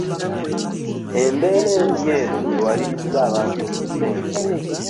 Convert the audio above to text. Embeera embi eno ewalirizza abantu okusenguka.